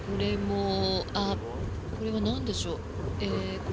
これはなんでしょう。